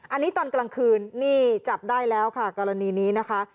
อันนี้ตอนกลางคืนนี่จับได้แล้วค่ะกรณีนี้นะคะ